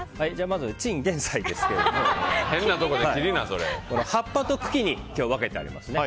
まず、チンゲンサイですが葉っぱ茎に今日分けてあります。